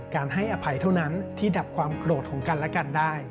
การให้อภัยเท่านั้นที่ดับความโกรธของกันและกันได้